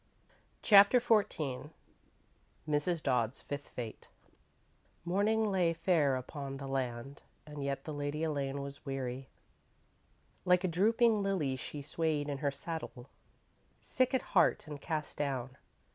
"The wise old devil!" XIV Mrs. Dodd's Fifth Fate _Morning lay fair upon the land, and yet the Lady Elaine was weary. Like a drooping lily she swayed in her saddle, sick at heart and cast down.